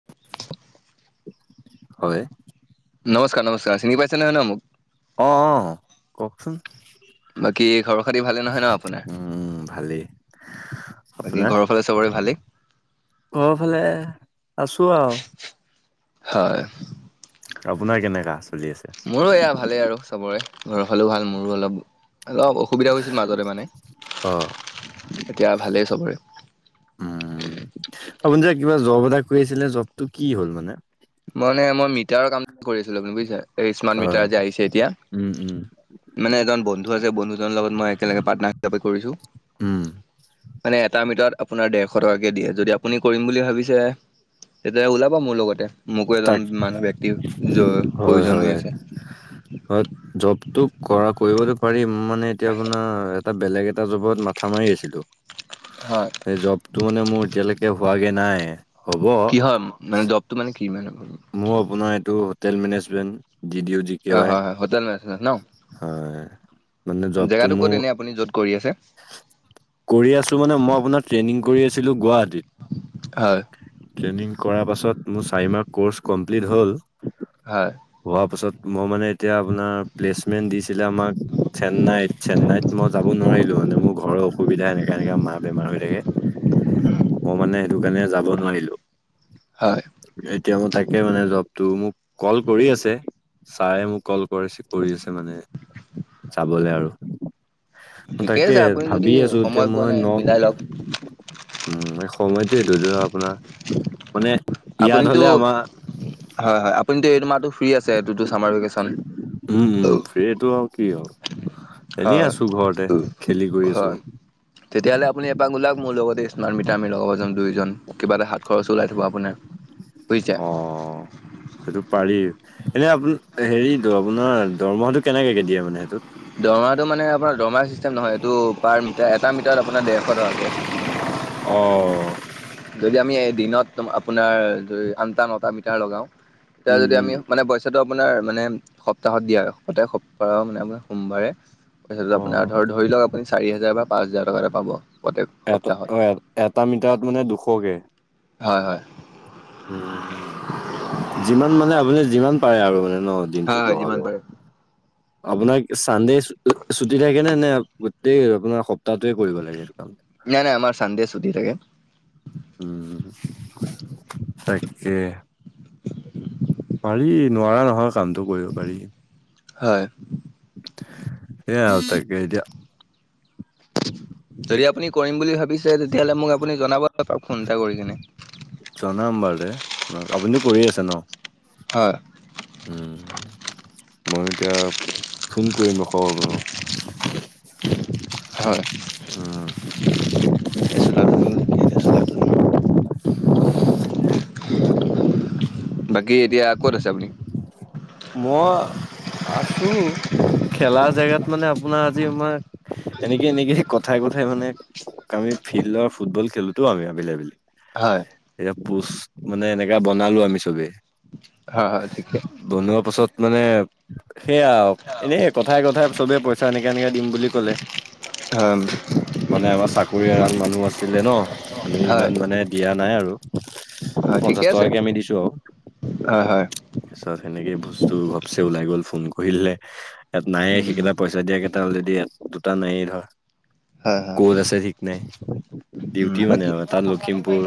[unintelligible] হয়। নমস্কাৰ - নমস্কাৰ চিনি পাইছে নহয় ন মোক? অ অ কওকচোন? বাকী খবৰ খাতি ভালে নহয় ন আপোনাৰ? উম উম ভালেই। আ বাকী আপোনাৰ? ঘৰৰ ফালে চবৰে ভালেই ঘৰ ফালে আছো আৰু। হয়। আপোনাৰ কেনেকা? চলি আছে মোৰো এয়া ভালেই আৰু চবৰে ঘৰৰ ফালেও ভাল মোৰো অলপ অলপ অসুবিধা হৈছিল মাজতে মানে অ এতিয়া ভালেই চবৰে। উম আপুনি যে কিবা জব এটা কৰি আছিলে জবটো কি হ'ল মানে? মই মানে মই মিটাৰৰ কাম কৰি আছিলো বুজিছা এই স্মাৰ্ট হয় মিটাৰ যে আহিছে এতিয়া। উম উম মানে এজন বন্ধু আছে, বন্ধুজনৰ লগত মই একেলগে পাৰ্টনাৰ হিচাপে কৰিছো। উম মানে এটা মিটাৰত আপোনাৰ ডেৰশ টকাকে দিয়ে, যদি আপুনি কৰিম বুলি ভাবিছে। তেতিয়া ওলাবা মোৰ লগতে, মোকো এজন তাক মানুহ ব্যক্তি জ হয় প্ৰয়োজন হৈ হয় আছে। হয়, জবটো কৰা কৰিবতো পাৰিম মানে এতিয়া আপোনাৰ তাত বেলেগ এটা জবত মাথা মাৰি আছিলো হয় সেই জব টো মানে মোৰ এতিয়ালৈকে হোৱাগে নাই। হ'ব কি হয় মানে জৱটো মানে কি মানে মোৰ আপোনাৰ এইটো হোটেল মেনেজমেন দি দিও অ হয় হয় হোটেল মে হয়। মানে জবটো জেগাটো ক'ত মোৰ এনে আপুনি য'ত কৰি আছে? কৰি আছোঁ মানে মই আপোনাৰ ট্ৰেইনিং কৰি আছিলোঁ গুৱাহাটীত। হয়। ট্ৰেইনিং কৰা পাছত মোৰ চাৰিমাহ ক'ৰ্চ কমপ্লিট হ'ল। হয়। হোৱা পাছত মই মানে এতিয়া আপোনাৰ প্লেচমেন্ট দিছিলে আমাক চেন্নাইত -চেন্নাইত মই যাব নোৱাৰিলোঁ মানে মোৰ ঘৰ অসুবিধা এনেকা- এনেকা মাৰ বেমাৰ হৈ থাকে। মই মানে সেইটো কাৰণে যাব নোৱাৰিলোঁ। হয়। এতিয়া মোৰ তাকে মানে জবটো মোক ক'ল কৰি আছে ছাৰে মোক কল কৰিছে কৰি আছে মানে চাবলে আৰু ঠিকে তাকে আছে আপুনি যদি ভাবি আছো এতিয়া সময় পোৱা মই নাই নক মিলাই লওক উম, এই সলয়টো [unintelligible] আপুনিতো হ'লে আমাৰ হয়- হয় আপুনিটো এইটো মাহটো ফ্ৰী আছে এইটোটো চামাৰ ভেকেচন? উম-উম ফ্ৰীটো আৰু কিহল এনেই হয় আছো ঘৰতে খেলি কৰি আছো। হয় তেতিয়াহ'লে আপুনি এপাক ওলাওক মোৰ লগতে স্মাৰ্ট মিটাৰ আমি লগাব যাম দুইজন। কিবা এটা হাত খৰচো ওলাই থ'ব আপোনাৰ বুইছা? সেইটো পাৰি এনে আপোনি হেৰিটো আপোনাৰ দৰমহাটো কেনেকে কে দিয়ে মানে সেটোত? দৰমহাটো মানে আপোনাৰ দৰমহা চিষ্টেম নহয় এইটো পাৰ মিটাৰ এটা মিটাৰত আপোনাৰ ডেৰশ টকাকে। অ', যদি আমি এ দিনত আপোনাৰ আনটা, নটা মিটাৰ লগাও উম, তেতিয়া যদি উম, আমি মানে সেটো আপোনাৰ মানে সপ্তাহত দিয়া গোটেই সপ্তাহও মানে আপোনাৰ সোমবাৰে ধৰি লওঁ আপুনাৰ ধৰ লওক আপুনি চাৰি হাজাৰ বা পাঁচ হাজাৰ টকা এটা পাব প্ৰত্যেক এটা সপ্তাহত। অ', এটা মিটাৰত মানে দুশকে। হয়-হয়। উম, যিমান মানে আপুনি যিমান পাৰে আৰু মানে ন'? হয় দিনটোত -হয় লগাব। যিমান পাৰোঁ। আপোনাক চানডে ছুটি থাকে নে -নে গোটেই আপোনাৰ সপ্তাহটোৱে কৰিব লাগে এইটো কাম? নাই -নাই আমাৰ চানডে চুটি থাকে। উম, তাকে। [inaudible] পাৰি নোৱাৰা নহয় কামটো কৰিব পাৰি। হয়। এ আৰু তাকে এতিয়া যদি আপুনি কৰিম বুলি ভাবিছে তেতিয়াহ'লে মোক আপুনি জনাব [unintelligible] ফোন এটা কৰি কিনে? জনাম বাৰু দে ন' আপোনিটো কৰি আছে ন? হয়। [inaudible] মই এতিয়া ফোন কৰিলোঁ খবৰ [unintelligible] হয় [unintelligible] এ চোলাটো খোল [unintelligible] বাকী এতিয়া ক'ত আছে আপুনি? মই আছো [unintelligible] খেলা জেগাত মানে আপোনাৰ আজি আমাৰ এনেকে- এনেকে কথাই- কথাই মানে কামি ফিল্ডৰ ফুটবল খেলোতো আমি আবেলি -আবেলি। হয়। এয়া পোচ মানে এনেকা বনালো আমি চবে। হা- হা ঠিকে। বনোৱা পাছত মানে সেয়া আৰু এনে কথাই-কথাই চবে পইচা এনেকে-এনেকে দিম বুলি কলে। হয় মানে আমাৰ চাকৰি এৰাল মানুহ আছিলে ন আমি হয় ইমান মানে দিয়া নাই আৰু। [inaudible] পঞ্চাশ টকাকে আমি দিছো আৰু। হয়-হয়। তাৰ পিছত সেনেকে বস্তু ঘপচে ওলাই গল ফোন কৰিলে ইয়াত নাই উম সেইকেইটা পইচা পিছত দিয়াকেইটা অলৰেডি দুটা নাই ধৰ হয় হয় ক'ত আছে ঠিক নাই। উম ডিউটি মানে বাকী আৰু তাত লখিমপুৰ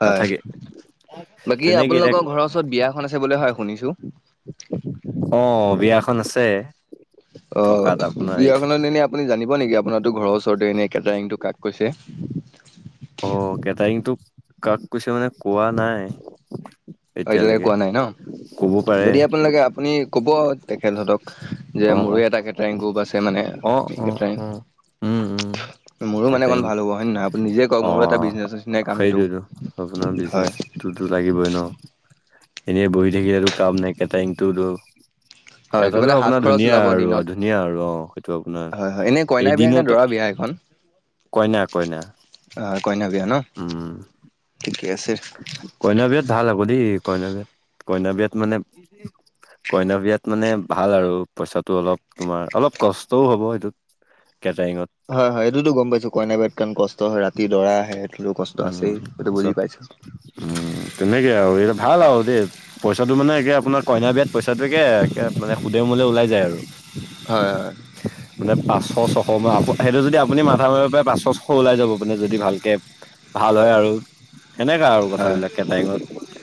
হয় নাথাকে। তেনেকে তাৰপিছত বিয়াখন আছে বোলে হয় শুনিছো। অঁ বিয়াখন আছে। অঁ থকাত আপোনাৰ বিয়াখনত এনেই আপুনি জানিব নেকি আপোনাৰটো ঘৰৰ ওচৰতে এনেই কেটাৰিংটো কাক কৈছে? অঁ কেটাৰিংটো কাক কৈছে মানে কোৱা নাই। অঁ এতিয়ালকে এতিয়ালৈকে কোৱা নাই ন। ক'ব পাৰে যদি আপোনাক লাগে আপুনি কব তেখেত হঁতক। যে অ মোৰো এটা কেটাৰিং গ্ৰুপ আছে মানে অ অ অ কেটাৰিং অ উম উম মোৰো মানে অকণ কেটাৰিং ভাল হ'ব হয় নে নহয় আপুনি নিজে কওক। অ মোৰো এটা বিজনেচৰ নিচিনাই কাম সেইটো হয়। তো-তো লাগিবই ন। এনে বহি থাকি আৰু কাম নাই কেটাৰিংটো হয় একেবাৰে হাত খৰচ ধুনীয়া ওলাব আৰু দিনত ধুনীয়া আৰু অ সেইটো আপোনাৰ হয় হয় এনেই কইনা বিয়া নে এদিনত দৰা বিয়া কইনা-কইনা অ কইনা বিয়া ন ঠিকে আছে। কইনা বিয়াত ভাল হব দেই। কইনা বিয়াত কইনা বিয়াত মানে কইনা বিয়াত মানে ভাল আৰু পইচাটো অলপ তোমাৰ অলপ কষ্টও হ'ব সেইটোত কেটাৰিঙত৷ হয়-হয় এইটো গম পাইছো কইনা বিয়াত কিমান কষ্ট হয়, ৰাতি দৰা আহে। সেইটোতো কষ্ট আছেই উম সেইটো বুজি চব পাইছো। উম তেনেকে আৰু এইটো ভাল আ দে। পইচাটো মানে একে আপোনাৰ কইনাৰ বিয়াত পইচাটো একে মানে সুদে মুলে ওলাই যায় আৰু। হয়-হয়। মানে পাঁচশ, ছশ অ সেইটো যদি আপুনি মাথা মাৰিব পাৰে পাঁচশ ছশ ওলাই যাব আপুনি যদি ভালকে ভাল হয় আৰু সেনেকা আৰু হয় কথাবিলাক কেটাৰিঙত৷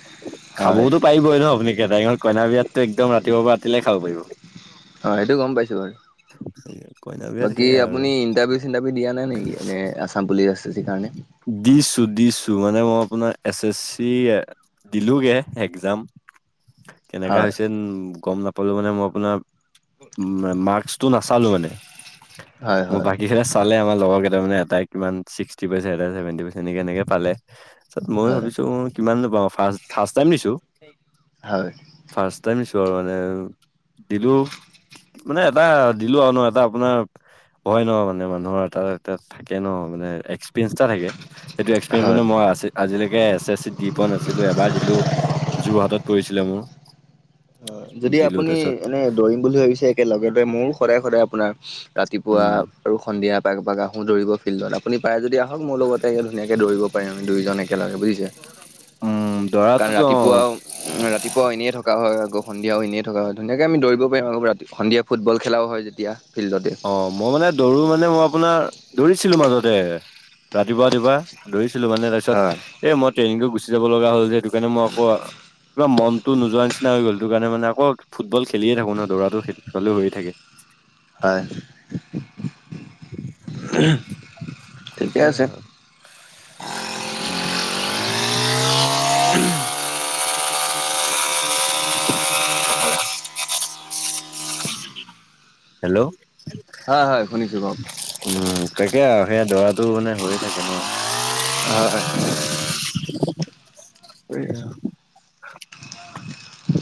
হয় হয় খাবওতো পাৰিবই ন আপুনি কেটাৰিংত কইনাৰ বিয়াততো একদম ৰাতিপুৱাৰ পৰা ৰাতিলেকে খাব পাৰিব। হা সেইটো গম পাইছোঁ বাৰু। সেই কইনা বিয়াত বাকী সেয়াই আৰু আপুনি ইণ্টাৰভিউ চিণ্টাৰভিউ দিয়া নাই নেকি? এনে Assam police S S C কাৰণে? দিছো-দিছো মানে মই আপোনাৰ এছ এছ চি দিলোগে একজাম। [inaudible] কেনেকা হৈছে উ গম নাপালো মানে মই আপোনাৰ ম মাৰ্ক্স তোৰ নাচালো মানে হয় মোৰ হয় বাকী কেইটাই চালে লগৰ কেইটামানে এটাই কিমান ছিক্সটি পাইছে এটাই ছেভেনটি পাৰ্চেন্ত এনেকে এনেকে পালে তাত মই হয় ভাবিছো কিমান নো পাওঁ ফাছ ফাৰ্ষ্ট টাইম দিছো। হয় ফাৰ্ষ্ট টাইম দিছো আৰু মানে দিলো মানে এটা দিলো আৰু ন এটা আপোনাৰ হয় ন মানে মানুহৰ এটা এ থাকে ন মানে এক্স এক্সপেৰিয়েন্স থাকে সেইটো এক্সপেৰিয়েঞ্চ মানে হয়। হয় মই আছে৷ আজিলৈকে এছ-এছ চিত দি পোৱা নাছিলো এবাৰ দিলো যোৰহাটত পৰিছিলে মোৰ। যদি দিলো আপুনি তাৰপিছত এনে দৌৰিম বুলি ভাবিছে একে লগতে মোৰো সদায়-সদায় আপোনাৰ ৰাতিপুৱা উম আৰু সন্ধিয়া এপাক এপাক আহো দৌৰিব ফিল্ডত আপুনি পাৰে যদি আহক মোৰ লগতে আহি ধুনীয়াকে দৌৰিব পাৰিম আমি দুইজন একেলগে বুজিছে। উম কাৰণ দৰাটোতো অ ৰাতিপুৱাও ওম ৰাতিপুৱাও এনেই থকা হয় আকৌ সন্ধিয়াও এনেই থকা হয়। ধুনীয়াকে আমি দৌৰিব পাৰিম আৰু ৰাতি সন্ধিয়া ফুটবল খেলাও হয় যেতিয়া, ফিল্ডতে। অ', মই মানে দৌৰো মানে মই আপোনাৰ দৌৰিছিলো মাজতে, ৰাতিপুৱা-ৰাতিপুৱা। দৌৰিছিলো মানে তাৰপিছত হয় এ মই ট্ৰেইনিং কৰি গুচি যাব লগা হ'ল যে সেইটো কাৰণে মই আকৌ কিবা মনটো নোযোৱাৰ নিচিনা হৈ গল সেইটো কাৰণে মানে। আকৌ ফুটবল খেলিয়ে থাকো ন দৌৰাটো সেইফালেও হৈ থাকে। হয়। ঠিকে আছে [unintelligible] [inaudible] [inaudible] হেল্ল', হয় হয় শুনিছো বাৰু উম তাকে আৰু সেয়া দৌৰা টো মানে হৈয়ে থাকে ন। হয় [unintelligible]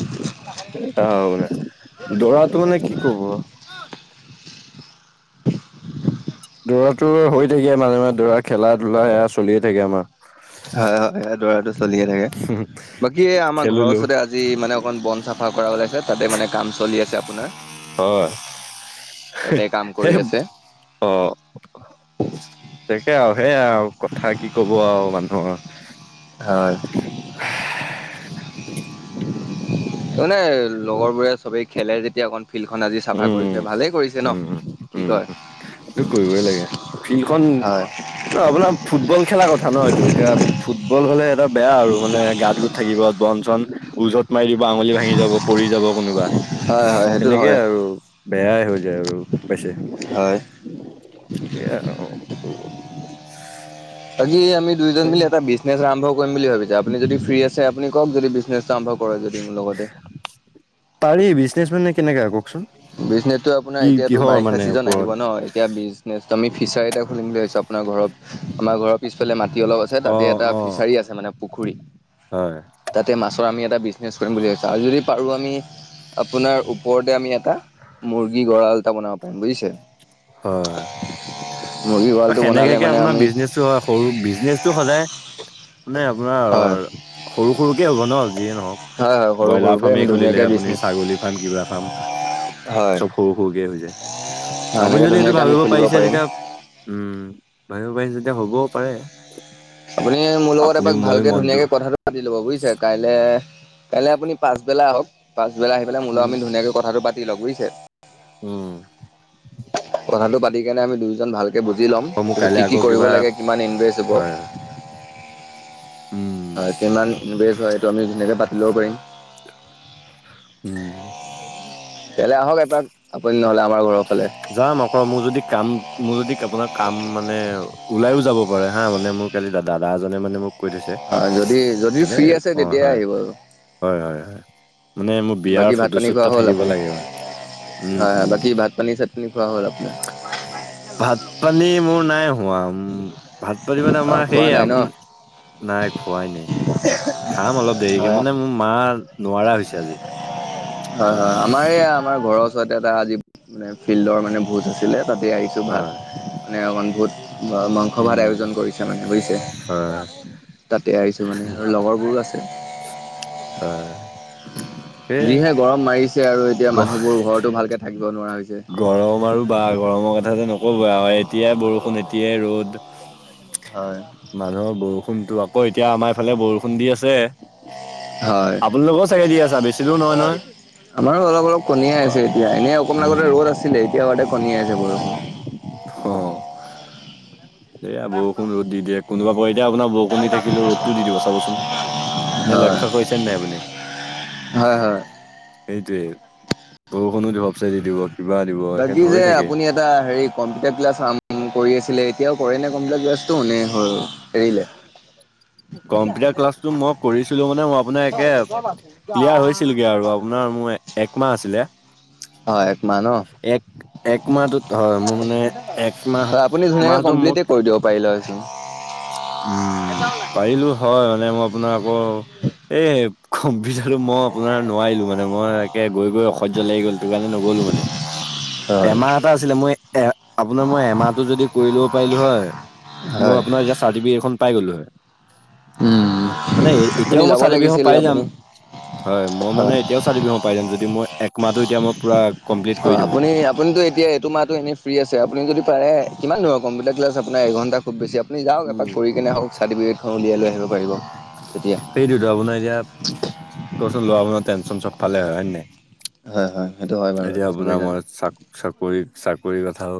[unintelligible] দৌৰাটো মানে কি ক'ব? দৌৰাটো হৈ থাকে মাজে মাজে দৌৰা খেলা-ধূলা সেয়া চলিয়ে থাকে আমাৰ। হয় হয় সেই দৌৰাটো চলিয়ে থাকে। বাকী এ আমাৰ ঘৰৰ খেলিলো ওচৰতে আজি অকমান বন চাফা কৰা ওলাইছে তাতে মানে কাম চলি আছে আপোনাৰ। হয়, তাতে কাম কৰি আছে অ। তাকে আৰু সেইয়া আৰু কথা কি ক'ব আৰু মানুহৰ। হয়। মানে লগৰ বোৰে চবেই খেলে যেতিয়া অকন ফিল্ডখন আজি চাফা উম, কৰিছে ভালেই কৰিছে ন, কি কয়? এইটো কৰিবই লাগে। ফিল্ডখন হয় ন আপোনাৰ ফুটবল খেলা কথা ন এইটো এতিয়া ফুটবল হ'লে এটা বেয়া আৰু মানে গা ধু থাকিব বন চন ওজত মাৰি দিব আঙুলি ভাঙি যাব, পৰি যাব কোনোবা, হয় হয় সেইটো তেনেক কে হয় আৰু বেয়াই হৈ যায় আৰু বেছি। হয় এয়াই আৰু। আজি আমি দুইজন উপায় মিলি নাই। এটা বিজনেচ আৰম্ভ কৰিম বুলি ভাবিছো আপুনি যদি ফ্ৰী আছে আপুনি কওক যদি বিজনেছটো আৰম্ভ কৰে যদি মোৰ লগতে। পাৰি বিজনেচ মানে কেনেকা আকৌ? বিজনেচটো আপোনাৰ এতিয়াতো বাৰিষা মানে চিজন আহিব ওপৰত ন এতিয়া বিজ নেচ আমি ফিচাৰী এটা খুলিম বুলি ভাবিছো আপোনাৰ ঘৰত আমাৰ ঘৰত পিছফালে মাটি অলপ আছে তাতে অ', এটা অ', ফিচাৰী আছে মানে পুখুৰী, হয়, তাতে মাছৰ আমি এটা বিজ নেচ কৰিম বুলি ভাবিছো আৰু যদি পাৰো আমি আপোনাৰ ওপৰতে আমি এটা মুৰ্গী গঁৰাল এটা বনাব পাৰিম বুজিছে? হয় মুৰ্গী হয়, গঁৰালটো বনালে সেনেকাকে মানে আপোনাৰ আমি বিজনেচটো হয় সৰু বিজনেচটো সদায় মানে আপোনাৰ হয় সৰু সৰুকে হ'ব ন যিয়ে নহওক হয় হয় সৰু ব্ৰইলাৰ সৰুকে ফাৰ্মে আমি খুলিলে ধুনীয়াকে আপুনি বিজনেছ ছাগলী ফাৰ্ম কিবা ফাৰ্ম হয় চব সৰু সৰুকে হৈ যায়। হয় আপুনি এনেকে যদি এইটো ধুনীয়াকে আমি ভাবিব খুলিব পাৰিছে পাৰিম যেতিয়া উম ভাবিব পাৰিছে যেতিয়া হ'বও পাৰে। আপুনি মোৰ লগত আপুনিও এপাক মইও ভালকে মনটো ধুনীয়াকে কথাটো পাতি ল'ব বুজিছে কাইলে কাইলে আপুনি পাছবেলা আহক। পাছবেলা আহি পেলাই মোৰ লগত উম আমি ধুনীয়াকে কথাটো পাতি লওঁ, বুজিছে? উম। কথাটো পাতি কেনে আমি দুয়োজন ভালকে বুজি লম অ মোৰ ত' কাইলে কি কি আকৌ কৰিব কিবা লাগে কিমান ইনভেষ্ট হব? হয় উম হয় কিমান ইনভেষ্ট হয় এইটো আমি ধুনীয়াকে পাতি ল'ব পাৰিম। উম। ইয়ালে আহক এপাক আপুনি নহ'লে আমাৰ ঘৰৰ ফালে। যাম আকৌ মোৰ যদি কাম মোৰ যদি আপোনাৰ কাম মানে ওলাইও যাব পাৰে হা মানে মোৰ কালি দাদা এজনে মানে মোক কৈ থৈছে অ যদি যদি মানে ফ্ৰী আছে অ তেতিয়াই হয় আহিব আৰু। হয় হয় হয়, মানে মোৰ বিয়াৰ বাকী ভাত পানী ফটোশ্বুট খোৱা এটাত হ'ল থাকিব আপুনি লাগে মানে, উম হয় হয় উম। বাকী ভাত পানী চাটনি খোৱা হ'ল আপোনাৰ? ভাত পানী মোৰ নাই উয়া আম উম উ উ উ, ভাত পাতি মানে আমাৰ অ' খোৱা সেয়ে নাই আপ ন' নাই খোৱাই নাই। [unintelligible] খাম অলপ দেৰিকে অ' মানে মোৰ মা নোৱাৰা হৈছে আজি। হয় হয়, আমাৰ এইয়া আমাৰ ঘৰৰ ওচৰতে এটা আজি মানে ফিল্ডৰ মানে ভোজ আছিলে তাতে আহিছো। সেইটো ভাত হয় মানে অকণমান বহুত মাংস ভাত উম আয়োজন কৰিছে মানে বুজিছে। হয় যোৱাচোন, তাতে আহিছো মানে আৰু লগৰবোৰো আছে। হয় হয়, কেট। যিহে গৰম মাৰিছে আৰু এতিয়া মানুহবোৰ ঘৰতো ভালকে থাকিব নোৱাৰা হৈছে। গৰম আৰু বা গৰমৰ কথাটো নকব আৰু এতিয়াই বৰষুণ এতিয়াই ৰ'দ। হয়, আ। মানুহৰ বৰষুণতো আকৌ এতিয়া আমাৰ ইফালে বৰষুণ দি আছে। হয় আপোনালোকেও চাগে দি আছা বেছি দূৰ নহয় নহয়, আমাৰো অলপ অলপ কণীয়ে টুপ অ আছে আ। এতিয়া এনেই অকমান আগতে ৰ'দ আছিলে। এতিয়া আকৌ কণিয়াই আছে বৰষুণ। হ অ অ অ। এয়া বৰষুণ ৰদ দি দিয়ে কোনোবা এতিয়া আপোনাৰ বৰষুণ দি থাকিলে ৰদটো দি দিব চাবচোন। এনে হয় লক্ষ্য কৰিছে নাই আপুনি? হয় হয়। সেইটোৱে বৰষুণো দিব সবচাইডে দি দিব কিবা দিব বাকী হেন যে হৈয়ে থাকে। আপুনি এটা হেৰিত কম্পিটাৰ ক্লাছ আম উ উ। কৰি আছিলে এতিয়াও কৰে নে কম্পিউটাৰ ক্লাছটো নে হল এৰিলে। কম্পিউটাৰ ক্লাছটো মই কৰিছিলো মানে মই আপোনাৰ শেষেই আপ ক্লিয়াৰ হৈছিলগে আৰু আপোনাৰ মোৰ এক মাহ আছিলে। হয়, এক মাহ ন। এক এক মাহটোত হয় মোৰ মানে এক মাহ হয় আপুনি ধুনীয়াকে মাহটো মোক কমপ্লিটে কৰি দিব পাৰিলে উঠিম। উচ্, উম উ উ উ, পাৰিলো হয় মানে মই আপোনাৰ আকৌ এই এ এ। কম্পিউটাৰটো মই আপোনাৰ নোৱাৰিলো মানে মই। তাকেহ গৈ গৈ অসহ্য লাগি গ'ল সেইটো কাৰণে নগ'লো মানে ই ই ই হা। হয়। এমাহ এটা আছিলে মই এ আপোনাৰ মই এমাহটো যদি কৰি ল'ব পাৰিলো হয় মই হয় আপোনাৰ ইয়াৰ চাৰ্টিফিকেটখন পাই গলোঁ হয়। উম মানে আপুনি এতিয়াও মই যাব চাৰ্টিফিকেট খন লাগিছিল পাই যাম। আপুনি। হয় মই মানে এতিয়াও চাৰ্টিফিকেটখন পাই যম যদি মই এক মাহটো এতিয়া মই পুৰা অ কমপ্লিট অ অ, কৰি দিওঁ। আপুনি আপুনিতো এতিয়া এইটো মাহত তো এনে ফ্ৰী আছে আপুনি যদি পাৰে কিমান ধৰক কম্পিউটাৰ ক্লাছ আপোনাৰ এঘণ্টা খুব বেছি। আমি যাও এপাক উম। কৰি কিনে হওক চাৰ্টিফিকেটখন উলিয়াই লৈ আহিব পাৰিব তেতিয়া। সেইটোতো আপোনাৰ এতিয়া কওকচোন লৰা আপোনাৰ টেনচন চবফালে হয় নে নাই। হয় হয়। সেইটো হয় বাৰু এতিয়া এইটো চবেই আপোনাৰ জানে। মই চাক চাকৰি চাকৰিৰ কথাও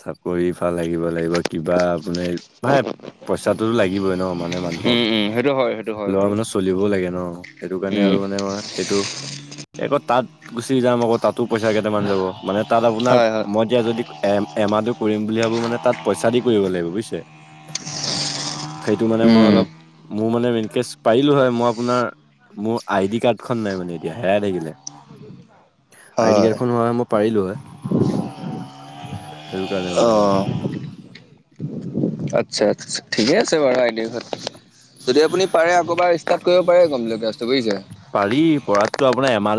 চাকৰি ভাল আহিব লাগিব। কিবা আপোনে পাহে পইচাটোতো লাগিবই ন আমাৰ। উম উম সেইটো হয় সেইটো হয় ল'ৰা বাৰু মানুহে চলিবও লাগে ন সেইটো কাৰণে উম আৰু মানে আমাৰ সেইটো এই আকৌ তাত গুচি যাম আকৌ তাতো পইচা কেইটামান যাব মানে তাত আপোনাৰ হয় হয় মই এতিয়া যদি এম এমাহটো কৰিম বুলি ভাবো মানে তাত পইচা দি কৰিব লাগিব বুজিছে। ঠু ঠু। সেইটো মানে মই উম। অলপ মোৰ মানে মেইনকেছ পাৰিলো হয় মই আপোনাৰ মোৰ আই ডি কাৰ্ড খন নাই মানে এতিয়া হেৰাই থাকিলে। আই ডি হয়। কাৰ্ড খ হলে মই পাৰিলো হয় এহ্ হে সেইটো কাৰণে মানে আৰু ঘু ঘু ঘু ঘু আচ্ছা আচ্ছা ঠিকেই আছে বাৰু আই ডি ঘৰত যদি আপুনি পাৰে আকৌ এবাৰ ষ্টাৰ্ট কৰিব পাৰে কম্পিউটাৰ ক্লাছটো বুজিছে। পাৰি পৰাততো আপোনাৰ এমাহটো।